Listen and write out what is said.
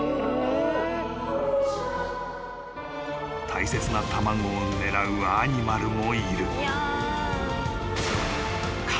［大切な卵を狙うアニマルもいる］